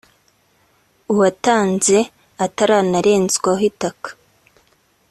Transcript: uwatanze ataranarenzwaho itaka